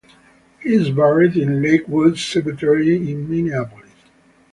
He is buried in Lakewood Cemetery in Minneapolis.